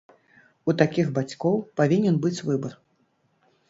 У такіх бацькоў павінен быць выбар.